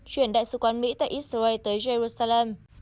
chuyển đại sứ quán mỹ tại israel tới jerusalem